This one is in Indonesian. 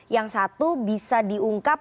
yang satu bisa diungkap